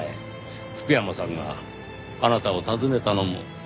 福山さんがあなたを訪ねたのも２年前です。